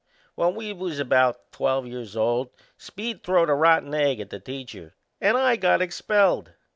When we was about twelve years old Speed throwed a rotten egg at the teacher and I got expelled.